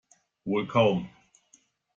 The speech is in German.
Wohl kaum.